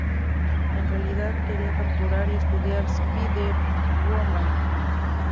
En realidad, quería capturar y estudiar Spider-Woman.